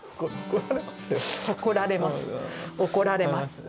怒られますよ。